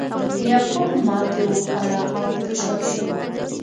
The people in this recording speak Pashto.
یعقوب ماتې وخوړه او په شا شو.